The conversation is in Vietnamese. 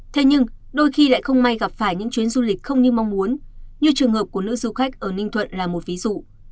thế nhưng đôi khi lại không may gặp phải những chuyến du lịch không như mong muốn như trường hợp của nữ du khách ở ninh thuận là một ví dụ